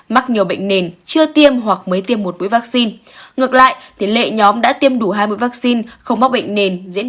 mắc nhiều bệnh nền chưa tiêm hoặc mới tiêm một mũi vaccine